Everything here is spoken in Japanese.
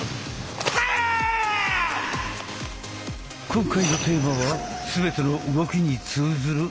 今回のテーマは全ての動きに通ずる「立ち方」。